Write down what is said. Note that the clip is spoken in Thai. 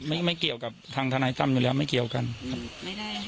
ไม่ไม่เกี่ยวกับทางทนายจำอยู่แล้วไม่เกี่ยวกันครับ